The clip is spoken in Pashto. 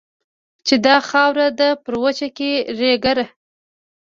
چې دا خاوره ده پر وچه کې راګېره